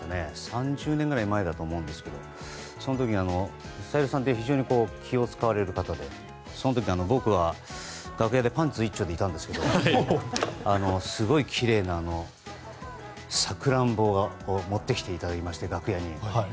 ３０年ぐらい前だと思いますがその時、小百合さんって非常に気を使われる方でその時、僕は楽屋でパンツ一丁でいたんですけどすごいきれいなサクランボを持ってきていただきまして、楽屋に。